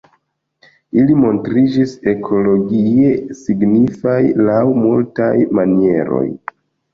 Ili montriĝis ekologie signifaj laŭ multaj manieroj.